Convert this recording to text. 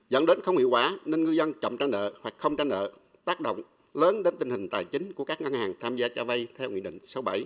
dẫn đến không hiệu quả nên ngư dân chậm trao nợ hoặc không trao nợ tác động lớn đến tình hình tài chính của các ngân hàng tham gia trao vay theo nghị định sáu mươi bảy